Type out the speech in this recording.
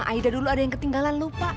aida dulu ada yang ketinggalan lupa